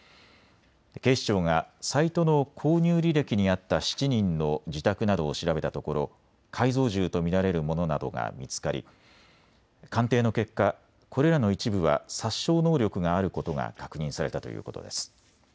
警視庁がサイトの購入履歴にあった７人の自宅などを調べたところ、改造銃と見られるものなどが見つかり鑑定の結果、これらの一部は殺傷能力があることが確認されたということです。